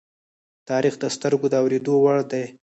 تاریخ د سترگو د اوریدو وړ دی.